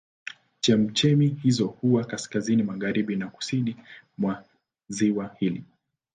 Chemchemi hizo huwa kaskazini magharibi na kusini mwa ziwa hili.